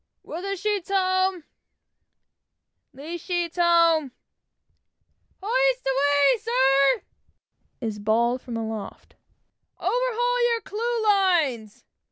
Weather sheet's home!" "Hoist away, sir!" is bawled from aloft. "Overhaul your clew lines!"